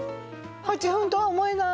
８分とは思えない。